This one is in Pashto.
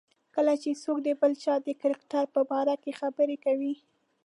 کله چې څوک د بل چا د کرکټر په باره کې خبرې کوي.